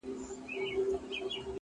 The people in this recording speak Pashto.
د حقیقت لاره که اوږده وي روښانه وي،